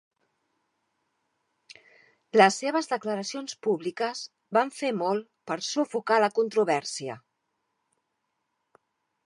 Les seves declaracions públiques van fer molt per sufocar la controvèrsia.